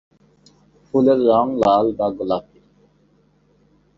ফুলের রঙ লাল বা গোলাপি।